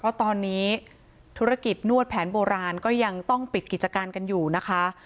เพราะตอนนี้ธุรกิจนวดแผนโบราณก็ยังต้องปิดกิจการกันอยู่นะคะ